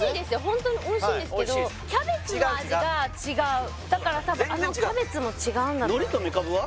ホントにおいしいんですけどキャベツの味が違うだから多分あのキャベツも違うんだと海苔とめかぶは？